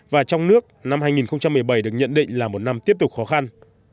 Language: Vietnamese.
và trong nước năm hai nghìn một mươi bảy được nhận định là một năm tiếp tục khó khăn